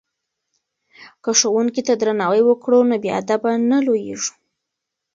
که ښوونکي ته درناوی وکړو نو بې ادبه نه لویږو.